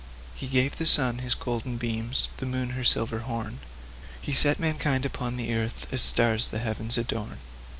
He gave the sun his golden beams, the moon her silver horn; He set mankind upon the earth, as stars the heavens adorn.